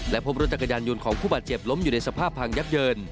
พบรถจักรยานยนต์ของผู้บาดเจ็บล้มอยู่ในสภาพพังยับเยิน